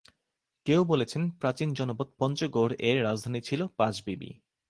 কেউ বলেছেন প্রাচীন জনপদ পঞ্চগৌড় এর রাজধানী ছিল পাঁচবিবি।